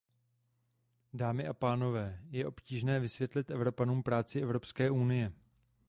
Dámy a pánové, je obtížné vysvětlit Evropanům práci Evropské unie.